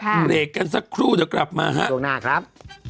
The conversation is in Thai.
เบรกกันสักครู่เดี๋ยวกลับมาฮะช่วงหน้าครับ